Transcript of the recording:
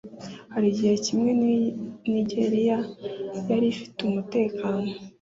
Hari igihe kimwe Nigeriya yari ifite umutekano